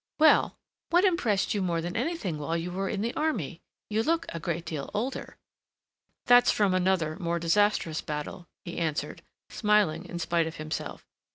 "Well, what impressed you more than anything while you were in the army? You look a great deal older." "That's from another, more disastrous battle," he answered, smiling in spite of himself.